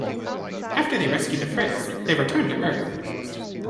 After they rescue the Friz, they return to Earth.